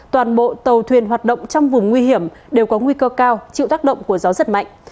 toàn bộ tàu thuyền hoạt động trong vùng nguy hiểm đều có nguy cơ cao chịu tác động của gió rất mạnh